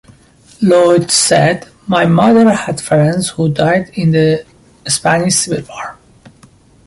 Lloyd said: my mother had friends who died in the Spanish Civil War.